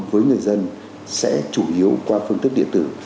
với người dân sẽ chủ yếu qua phương thức điện tử